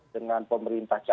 dengan pemerintah cepat